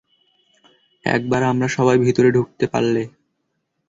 একবার আমরা সবাই ভিতরে ঢুকতে পারলে।